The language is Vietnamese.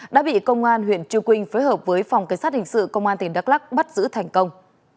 đã bị công an huyện trư quynh phối hợp với phòng cảnh sát hình sự công an tỉnh đắk lắc bắt giữ thành công